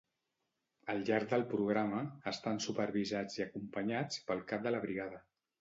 Al llarg del programa, estan supervisats i acompanyats pel cap de la brigada